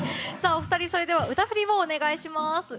お二人、それでは歌振りをお願いします。